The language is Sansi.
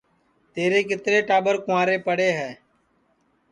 تیرے کِترے ٹاٻر کُنٚورے پڑے ہے